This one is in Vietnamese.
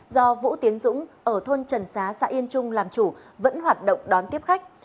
do vũ tiến dũng ở thôn trần xá xã yên trung làm chủ vẫn hoạt động đón tiếp khách